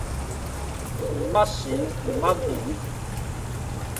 毋捌神，毋捌人